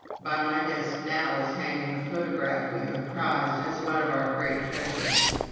By my desk now is hanging a photograph we have prized as one of our great treasures.